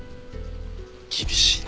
厳しいな。